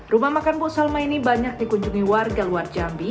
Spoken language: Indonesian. rumah makan bu salma ini banyak dikunjungi warga luar jambi